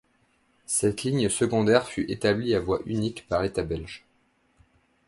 Cette ligne secondaire fut établie à voie unique par l'État Belge.